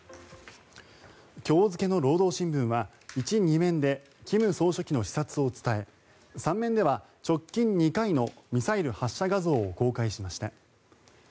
今日付の労働新聞は１、２面で金総書記の視察を伝え３面では直近２回のミサイル発射画像を公開しました。